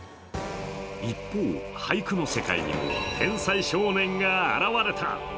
一方、俳句の世界にも天才少年が現れた。